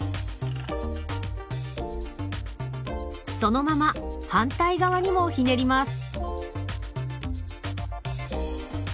そのまま反対側にもひねります。